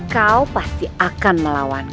kau pasti akan melawan